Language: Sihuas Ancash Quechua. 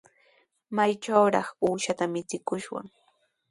¿Maytrawraq uushata michikushwan?